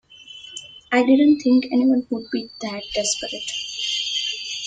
I didn't think anyone would be that desperate.